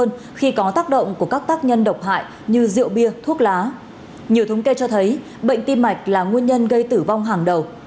nhiều thống kê cho thấy bệnh tim mạch là nguyên nhân gây tử vong hàng đầu